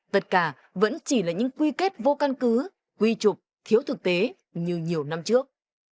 tất cả vẫn chỉ là những quy kết vô căn cứ quy trục thiếu thực tế như nhiều năm trước